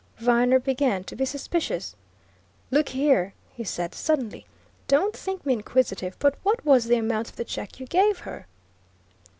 Viner began to be suspicious. "Look here!" he said suddenly. "Don't think me inquisitive, but what was the amount of the check you gave her?"